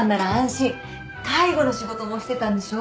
介護の仕事もしてたんでしょ？